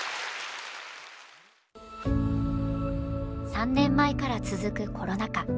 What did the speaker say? ３年前から続くコロナ禍。